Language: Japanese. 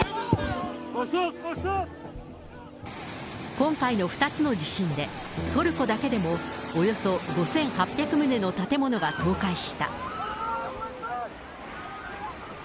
今回の２つの地震で、トルコだけでもおよそ５８００棟の建物が倒壊した。